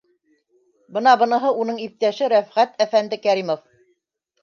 Бына быныһы - уның иптәше Рәфғәт әфәнде Кәримов.